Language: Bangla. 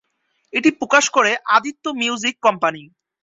এটি প্রকাশ করে আদিত্য মিউজিক কোম্পানি।